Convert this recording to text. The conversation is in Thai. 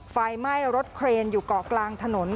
ไฟไหม้รถเครนอยู่เกาะกลางถนน